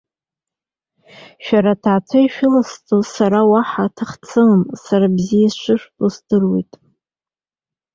Шәара аҭаацәа ишәыласҵо сара уаҳа ҭах дсымам, саргьы бзиа сшыжәбо здыруеит.